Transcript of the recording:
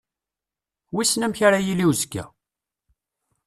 Wissen amek ara yili uzekka?